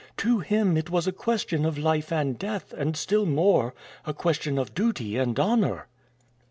To him it was a question of life and death, and still more, a question of duty and honor."